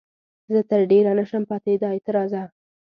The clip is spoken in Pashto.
زه تر ډېره نه شم پاتېدای، ته راځه.